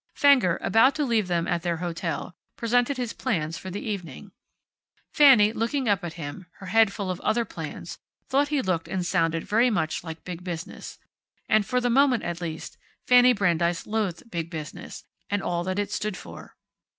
Fenger, about to leave them at their hotel, presented his plans for the evening. Fanny, looking up at him, her head full of other plans, thought he looked and sounded very much like Big Business. And, for the moment at least, Fanny Brandeis loathed Big Business, and all that it stood for.